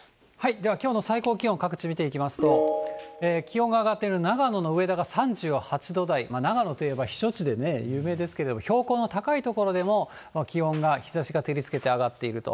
ではきょうの最高気温、各地見ていきますと、気温が上がってる長野の上田が３８度台、長野といえば避暑地で有名ですけども、標高の高い所でも気温が、日ざしが照りつけて上がっていると。